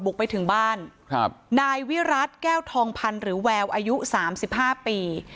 ไปถึงบ้านครับนายวิรัติแก้วทองพันธ์หรือแววอายุสามสิบห้าปี